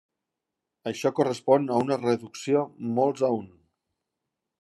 Això correspon a una reducció molts-a-un.